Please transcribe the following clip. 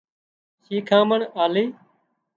شيکامڻ آلي